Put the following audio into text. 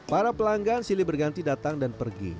para pelanggan silih berganti datang dan pergi